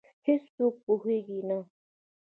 هیڅوک پوهېږې نه،